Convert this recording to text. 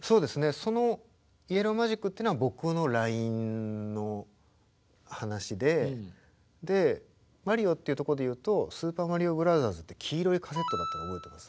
その「ＹＥＬＬＯＷＭＡＧＩＣ」っていうのは僕のラインの話でマリオっていうところで言うと「スーパーマリオブラザーズ」って黄色いカセットだったの覚えてます？